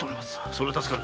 それは助かる。